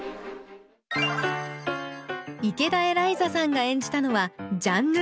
池田エライザさんが演じたのはジャンヌ・ダルク。